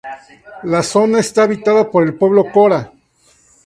La zona está habitada por el Pueblo cora.